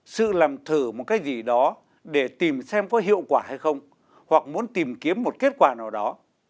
sự làm thử một cái gì đó để tìm xem có hiệu quả hay không hoặc muốn tìm kiếm một kết quả nào đó